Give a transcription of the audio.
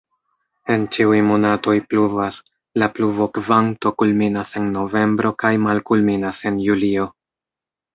En ĉiuj monatoj pluvas, la pluvokvanto kulminas en novembro kaj malkulminas en julio.